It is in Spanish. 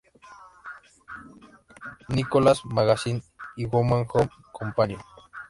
Nicholas Magazine", y "Woman's Home Companion".